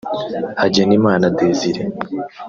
Hagenimana Desire